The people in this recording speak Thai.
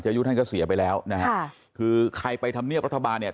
อายุท่านก็เสียไปแล้วนะฮะค่ะคือใครไปทำเนียบรัฐบาลเนี่ย